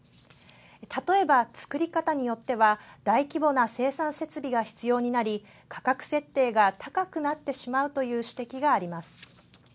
例えば、作り方によっては大規模な生産設備が必要になり価格設定が高くなってしまうという指摘があります。